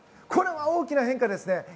これは大きな変化ですね。